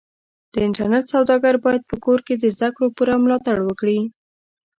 د انټرنېټ سوداګر بايد په کور کې د زدهکړو پوره ملاتړ وکړي.